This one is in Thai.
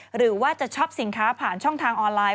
หรือว่าจะช็อปสินค้าผ่านช่องทางออนไลน์